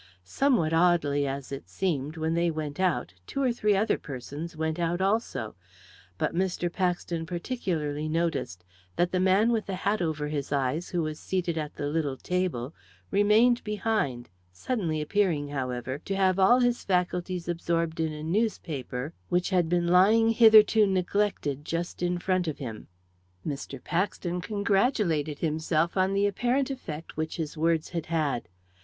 Somewhat oddly, as it seemed, when they went out two or three other persons went out also; but Mr. Paxton particularly noticed that the man with the hat over his eyes who was seated at the little table remained behind, suddenly appearing, however, to have all his faculties absorbed in a newspaper which had been lying hitherto neglected just in front of him. Mr. Paxton congratulated himself on the apparent effect which his words had had.